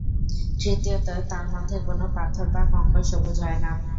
তৃতীয়ত, তার মধ্যে কোন পাথর বা কংকর সবুজ হয় না।